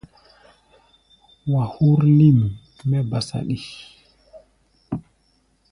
Wa hú̧r lim mɛ́ ba saɗi.